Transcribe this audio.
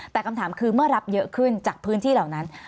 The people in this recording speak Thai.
แต่คำถามคือเมื่อรับเยอะขึ้นจากพื้นที่เหล่านั้น